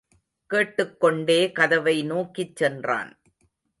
கேட்டுக் கொண்டே கதவை நோக்கிச் சென்றான்.